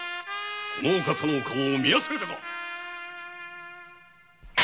このお方のお顔を見忘れたか！